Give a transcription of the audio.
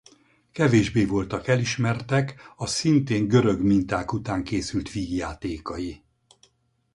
Kevésbé voltak elismertek a szintén görög minták után készült vígjátékai.